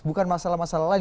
bukan masalah masalah lain